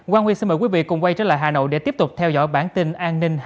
quang huy xin mời quý vị cùng quay trở lại hà nội để tiếp tục theo dõi bản tin an ninh hai mươi bốn h